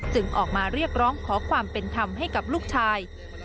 ออกมาเรียกร้องขอความเป็นธรรมให้กับลูกชาย